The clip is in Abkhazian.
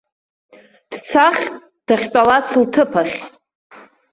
Дцахт дахьтәалац лҭыԥ ахь.